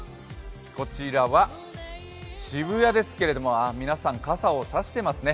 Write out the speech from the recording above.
こちらは渋谷ですけれども皆さん傘を差してますね。